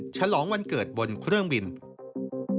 ชะลองวันเกิดบนเครื่องประเด็น